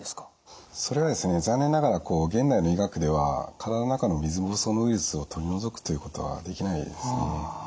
それがですね残念ながら現代の医学では体の中の水ぼうそうのウイルスを取り除くということはできないですね。